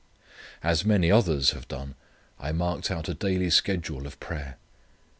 As many others have done, I marked out a daily schedule of prayer.